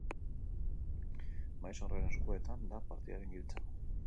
Maiz horren eskuetan da partidaren giltza.